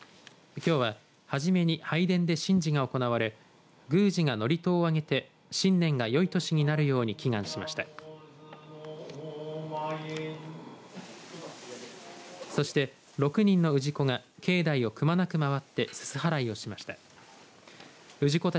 きょうははじめに拝殿で神事が行われ宮司が祝詞をあげて新年が、よい年になるように祈願しました。